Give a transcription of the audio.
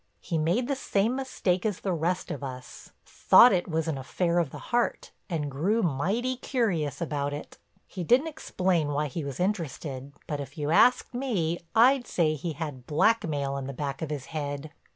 He made the same mistake as the rest of us, thought it was an affair of the heart and grew mighty curious about it. He didn't explain why he was interested, but if you asked me I'd say he had blackmail in the back of his head.